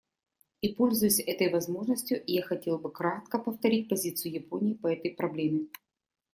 И пользуясь этой возможностью, я хотел бы кратко повторить позицию Японии по этой проблеме.